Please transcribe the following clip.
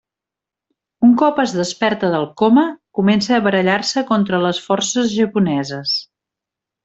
Un cop es desperta del coma, comença a barallar-se contra les forces japoneses.